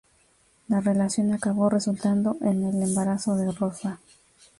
La relación acabó resultando en el embarazo de Rosa.